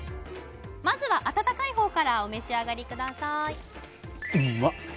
まずは温かい方からお召し上がりください